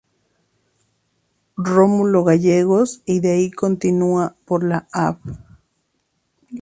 Romulo Gallegos y de ahí continua por la Av.